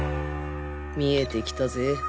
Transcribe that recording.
見えてきたぜ。